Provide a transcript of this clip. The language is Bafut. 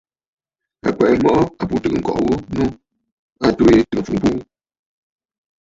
À kwɛ̀ʼɛ mɔʼɔ àbu tɨgə̀ ŋ̀kɔʼɔ ŋwò ghu atu ntɨgə mfuʼu buu.